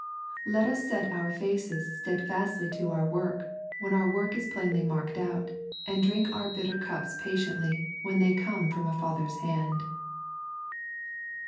Let us set our faces steadfastly to our work, when our work is plainly marked out, and drink our bittei cups patiently, when they come from a Father's hand.